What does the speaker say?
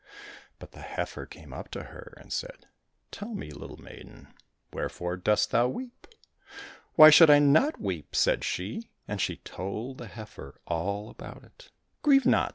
But the heifer came up to her and said, '' Tell me, little maiden, wherefore dost thou weep ?"—" Why should I not weep ?" said she, and she told the heifer all about it. —" Grieve not